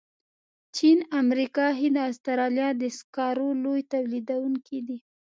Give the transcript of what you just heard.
چین، امریکا، هند او استرالیا د سکرو لوی تولیدونکي دي.